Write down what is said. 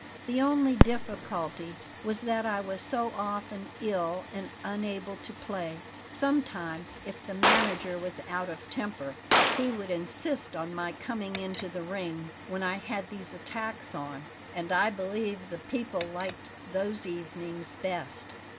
"The only difficulty was that I was so often ill and unable to play. Sometimes, if the manager was out of temper, he would insist on my coming into the ring when I had these attacks on; and I believe the people liked those evenings best.